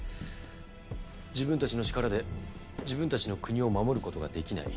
自分たちの力で自分たちの国を守る事ができない。